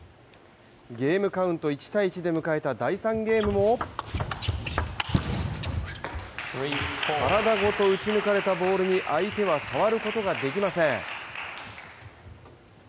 ゲームカウント１−１で迎えた第３ゲームも体ごと打ち抜かれたボールに相手は触ることができません。